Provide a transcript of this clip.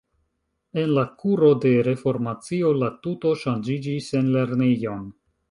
En la kuro de Reformacio la tuto ŝanĝiĝis en lernejon.